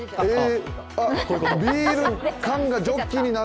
ビール缶がジョッキになる。